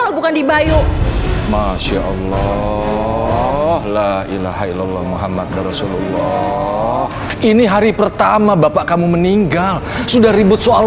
la ilaha illallah muhammad rasulullah ini hari pertama bapak kamu meninggal sudah ribut soal